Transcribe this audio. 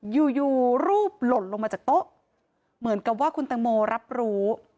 อยู่อยู่รูปหล่นลงมาจากโต๊ะเหมือนกับว่าคุณตังโมรับรู้